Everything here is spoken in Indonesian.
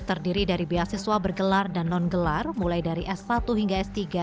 terdiri dari beasiswa bergelar dan non gelar mulai dari s satu hingga s tiga